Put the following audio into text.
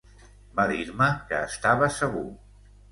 Va dir-me que estava segur.